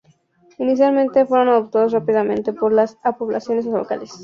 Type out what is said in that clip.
Inicialmente, fueron adoptados rápidamente por las poblaciones locales.